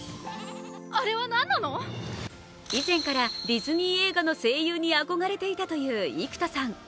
以前からディズニー映画の声優に憧れていたという生田さん。